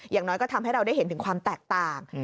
อย่างน้อยก็ทำให้เราได้เห็นถึงความแตกต่าง